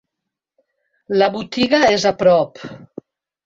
La botiga és a prop.